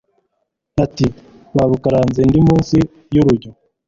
ati «babukaranze ndi munsi y'urujyo»